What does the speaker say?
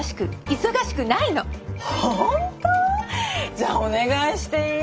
じゃあお願いしていい？